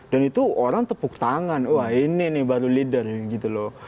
dan itu orang tepuk tangan wah ini nih baru leader gitu loh